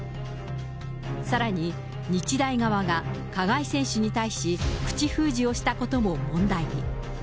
さらに、日大側が加害選手に対し、口封じをしたことも問題に。